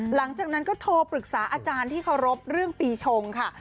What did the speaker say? หลังจากนั้นก็โทรปรึกษาอาจารย์ที่เคารพเรื่องปีชงค่ะ